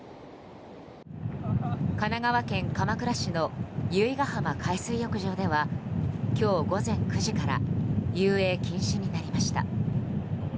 神奈川県鎌倉市の由比ガ浜海水浴場では今日午前９時から遊泳禁止になりました。